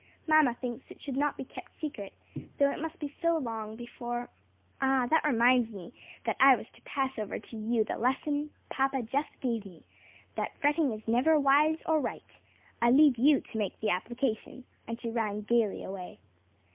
Mamma thinks it should not be kept secret, though it must be so long before " "Ah, that reminds me that I was to pass over to you the lesson papa just gave me that fretting is never wise or right. I leave you to make the application," and she ran gayly away.